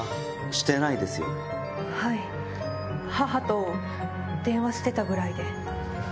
はい母と電話してたぐらいで。